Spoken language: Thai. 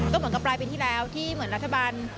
ก็เหมือนกับปลายปีที่แล้วที่เหมือนรัฐบาล